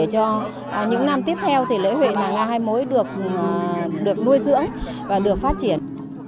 cho những năm tiếp theo thì lễ hội nàng nga hai mối được nuôi dưỡng và được phát triển